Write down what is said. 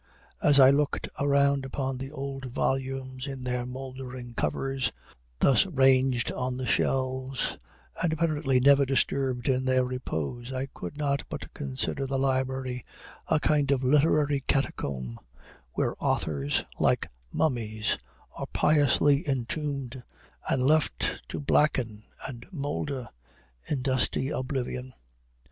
As I looked around upon the old volumes in their mouldering covers, thus ranged on the shelves, and apparently never disturbed in their repose, I could not but consider the library a kind of literary catacomb, where authors, like mummies, are piously entombed, and left to blacken and moulder in dusty oblivion.